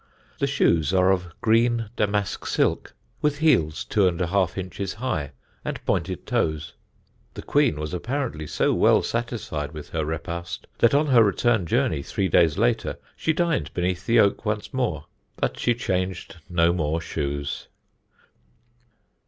The shoes are of green damask silk, with heels two and a half inches high and pointed toes. The Queen was apparently so well satisfied with her repast that on her return journey three days later she dined beneath the oak once more. But she changed no more shoes.